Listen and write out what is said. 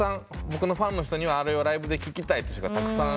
僕のファンの人にはあれをライブで聴きたいって人がたくさんいるんですよね。